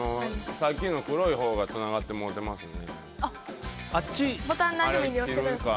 さっきの黒いほうがつながってもうてますね。